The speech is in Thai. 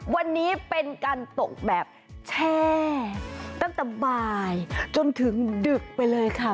วันนี้เป็นการตกแบบแช่ตั้งแต่บ่ายจนถึงดึกไปเลยค่ะ